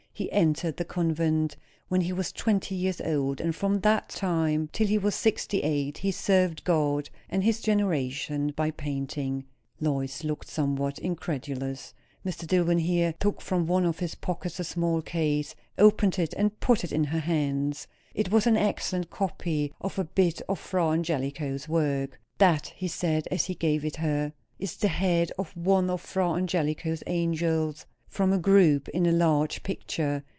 He entered the convent when he was twenty years old; and from that time, till he was sixty eight, he served God and his generation by painting." Lois looked somewhat incredulous. Mr. Dillwyn here took from one of his pockets a small case, opened it and put it in her hands. It was an excellent copy of a bit of Fra Angelico's work. "That," he said as he gave it her, "is the head of one of Fra Angelico's angels, from a group in a large picture.